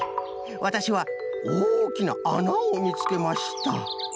わたしはおおきなあなをみつけました